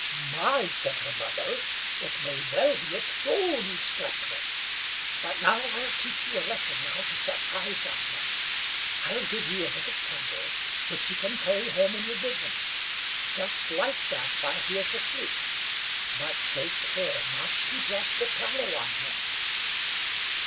"My!" said her mother; "it may well be a Troll you slept with! But now I'll teach you a lesson how to set eyes on him. I'll give you a bit of candle, which you can carry home in your bosom; just light that while he is asleep, but take care not to drop the tallow on him."